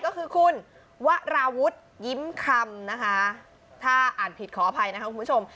ก็คือคุณวราวุฒิยิ้มคำนะคะถ้าอ่านผิดขออภัยนะคะคุณผู้ชม